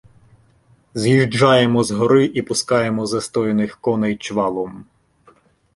З'їжджаємо з гори і пускаємо застояних коней чвалом.